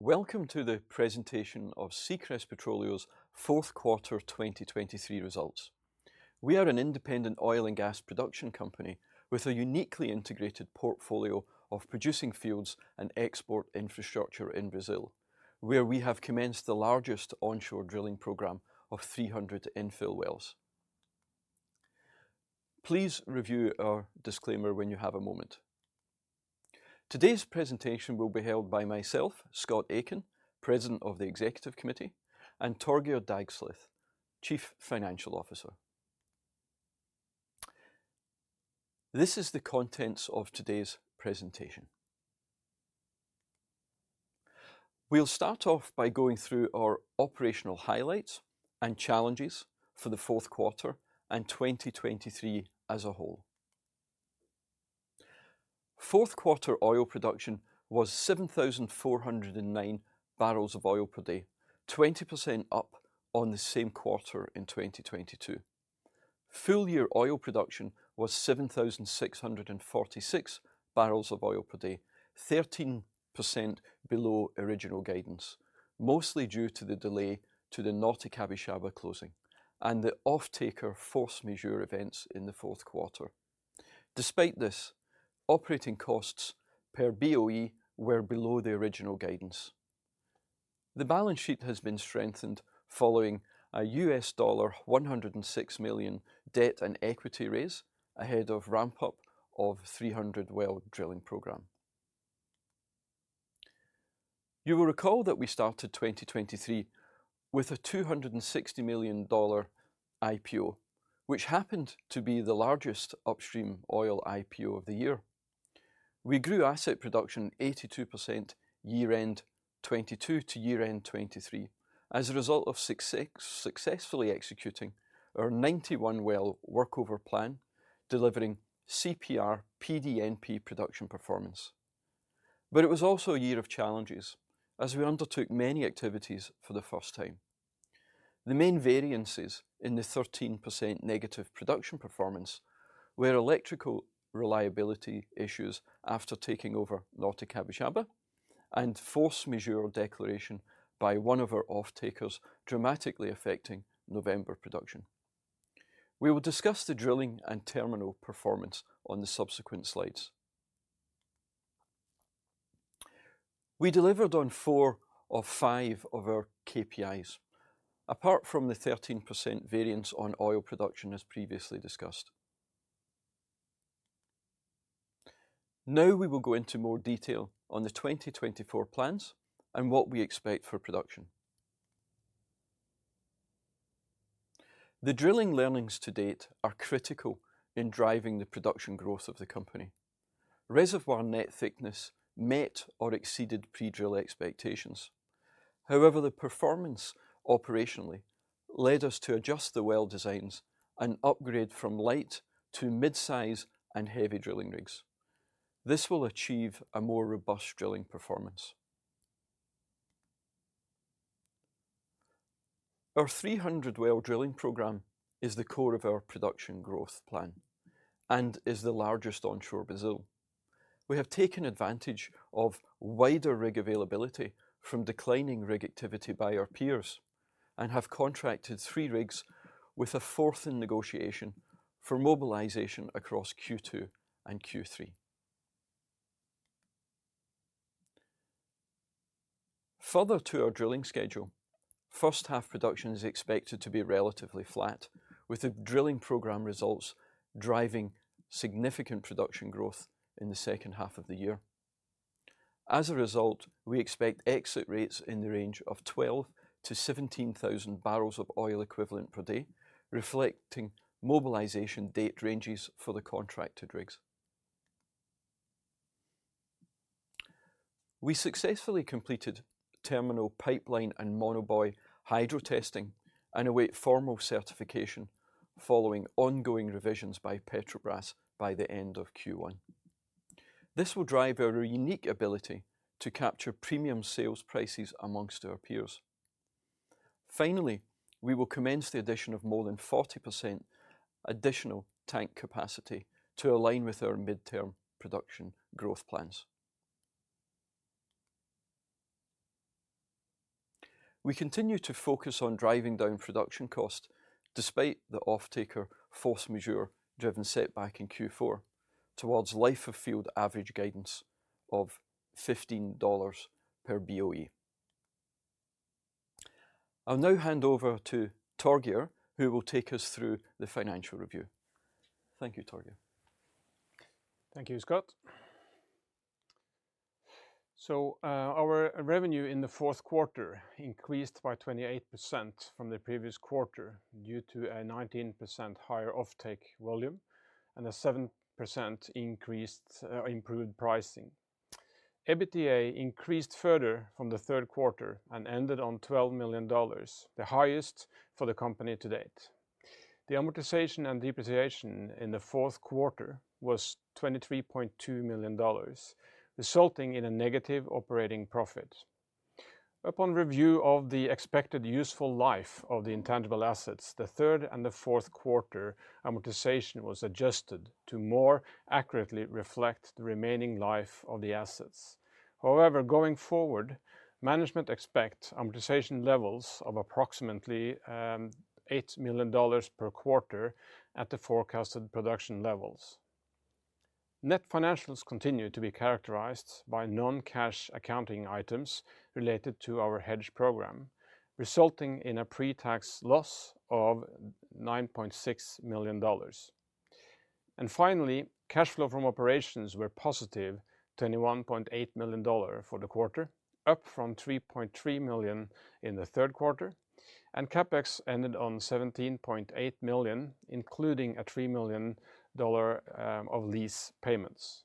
Welcome to the presentation of Seacrest Petroleo's fourth quarter 2023 results. We are an independent oil and gas production company with a uniquely integrated portfolio of producing fields and export infrastructure in Brazil, where we have commenced the largest onshore drilling program of 300 infill wells. Please review our disclaimer when you have a moment. Today's presentation will be held by myself, Scott Aitken, President of the Executive Committee, and Torgeir Dagsleth, Chief Financial Officer. This is the contents of today's presentation. We'll start off by going through our operational highlights and challenges for the fourth quarter and 2023 as a whole. Fourth quarter oil production was 7,409 bbl of oil per day, 20% up on the same quarter in 2022. Full year oil production was 7,646 bbl of oil per day, 13% below original guidance, mostly due to the delay to the Norte Capixaba closing and the off-taker force majeure events in the fourth quarter. Despite this, operating costs per BOE were below the original guidance. The balance sheet has been strengthened following a $106 million debt and equity raise ahead of ramp-up of 300 well drilling program. You will recall that we started 2023 with a $260 million IPO, which happened to be the largest upstream oil IPO of the year. We grew asset production 82% year-end 2022 to year-end 2023 as a result of successfully executing our 91 well workover plan, delivering CPR PDNP production performance. But it was also a year of challenges as we undertook many activities for the first time. The main variances in the 13% negative production performance were electrical reliability issues after taking over Norte Capixaba and force majeure declaration by one of our off-takers, dramatically affecting November production. We will discuss the drilling and terminal performance on the subsequent slides. We delivered on four of five of our KPIs, apart from the 13% variance on oil production, as previously discussed. Now we will go into more detail on the 2024 plans and what we expect for production. The drilling learnings to date are critical in driving the production growth of the company. Reservoir net thickness met or exceeded pre-drill expectations. However, the performance operationally led us to adjust the well designs and upgrade from light to mid-size and heavy drilling rigs. This will achieve a more robust drilling performance. Our 300-well drilling program is the core of our production growth plan and is the largest onshore Brazil. We have taken advantage of wider rig availability from declining rig activity by our peers and have contracted three rigs with a fourth in negotiation for mobilisation across Q2 and Q3. Further to our drilling schedule, first-half production is expected to be relatively flat, with the drilling program results driving significant production growth in the second half of the year. As a result, we expect exit rates in the range of 12,000 bbl-17,000 bbl of oil equivalent per day, reflecting mobilisation date ranges for the contracted rigs. We successfully completed terminal pipeline and monobuoy hydro testing and await formal certification following ongoing revisions by Petrobras by the end of Q1. This will drive our unique ability to capture premium sales prices amongst our peers. Finally, we will commence the addition of more than 40% additional tank capacity to align with our mid-term production growth plans. We continue to focus on driving down production cost despite the off-taker force majeure-driven setback in Q4 towards life-of-field average guidance of $15 per BOE. I'll now hand over to Torgeir, who will take us through the financial review. Thank you, Torgeir. Thank you, Scott. So our revenue in the fourth quarter increased by 28% from the previous quarter due to a 19% higher off-take volume and a 7% improved pricing. EBITDA increased further from the third quarter and ended on $12 million, the highest for the company to date. The amortization and depreciation in the fourth quarter was $23.2 million, resulting in a negative operating profit. Upon review of the expected useful life of the intangible assets, the third and the fourth quarter amortization was adjusted to more accurately reflect the remaining life of the assets. However, going forward, management expects amortization levels of approximately $8 million per quarter at the forecasted production levels. Net financials continue to be characterized by non-cash accounting items related to our hedge program, resulting in a pre-tax loss of $9.6 million. Finally, cash flow from operations were positive, $21.8 million for the quarter, up from $3.3 million in the third quarter, and CapEx ended on $17.8 million, including a $3 million of lease payments.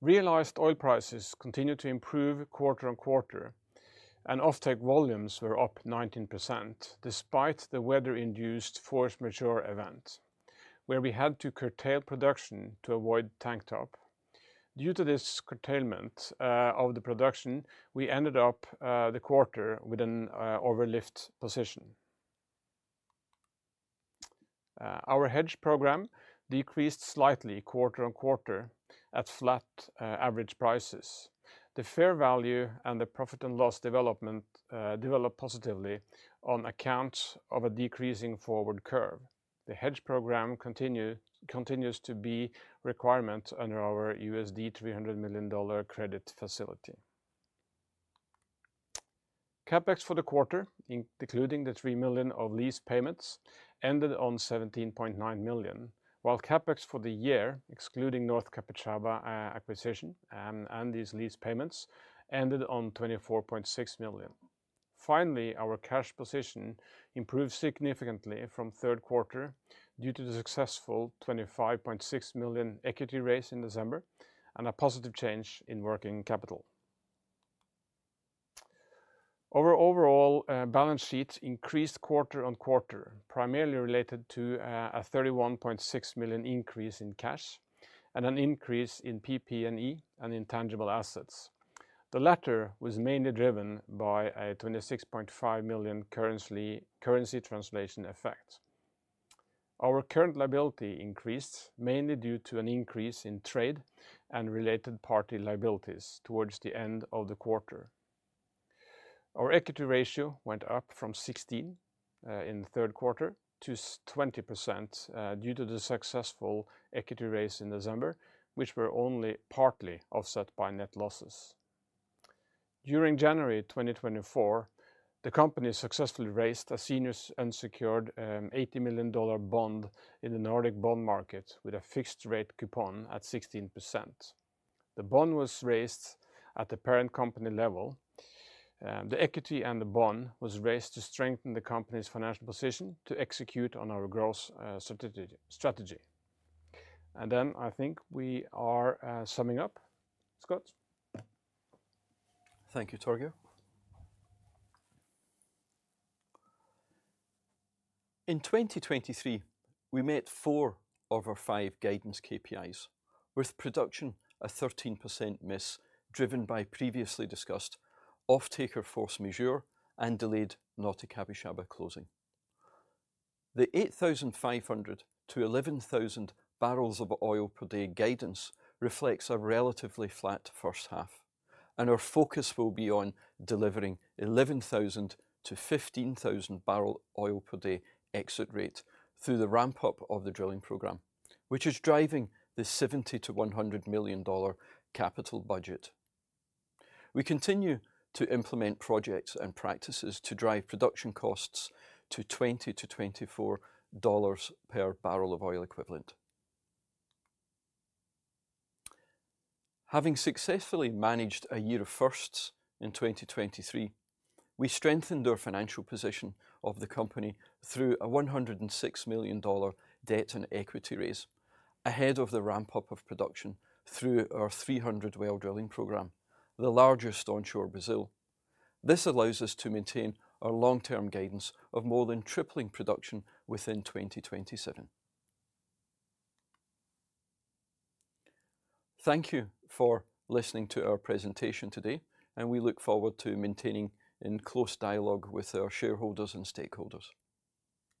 Realized oil prices continue to improve quarter-over-quarter, and off-take volumes were up 19% despite the weather-induced force majeure event, where we had to curtail production to avoid tank top. Due to this curtailment of the production, we ended up the quarter with an overlift position. Our hedge program decreased slightly quarter-over-quarter at flat average prices. The fair value and the profit and loss development developed positively on account of a decreasing forward curve. The hedge program continues to be a requirement under our $300 million credit facility. CapEx for the quarter, including the $3 million of lease payments, ended on $17.9 million, while CapEx for the year, excluding Norte Capixaba acquisition and these lease payments, ended on $24.6 million. Finally, our cash position improved significantly from third quarter due to the successful $25.6 million equity raise in December and a positive change in working capital. Our overall balance sheet increased quarter-over-quarter, primarily related to a $31.6 million increase in cash and an increase in PP&E and intangible assets. The latter was mainly driven by a $26.5 million currency translation effect. Our current liability increased mainly due to an increase in trade and related party liabilities towards the end of the quarter. Our equity ratio went up from 16% in the third quarter to 20% due to the successful equity raise in December, which were only partly offset by net losses. During January 2024, the company successfully raised a senior unsecured $80 million bond in the Nordic bond market with a fixed-rate coupon at 16%. The bond was raised at the parent company level. The equity and the bond were raised to strengthen the company's financial position to execute on our growth strategy. Then I think we are summing up. Scott? Thank you, Torgeir. In 2023, we met four of our five guidance KPIs, with production a 13% miss driven by previously discussed off-taker force majeure and delayed Norte Capixaba closing. The 8,500 bbl-11,000 bbl of oil per day guidance reflects a relatively flat first half, and our focus will be on delivering 11,000 bbl-15,000 bbl oil per day exit rate through the ramp-up of the drilling program, which is driving the $70 million-$100 million capital budget. We continue to implement projects and practices to drive production costs to $20-$24 per barrel of oil equivalent. Having successfully managed a year of firsts in 2023, we strengthened our financial position of the company through a $106 million debt and equity raise ahead of the ramp-up of production through our 300-well drilling program, the largest onshore Brazil. This allows us to maintain our long-term guidance of more than tripling production within 2027. Thank you for listening to our presentation today, and we look forward to maintaining close dialogue with our shareholders and stakeholders.